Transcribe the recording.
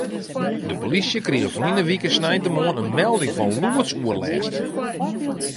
De polysje krige ferline wike sneintemoarn in melding fan lûdsoerlêst.